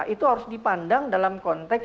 itu harus dipandang dalam konteks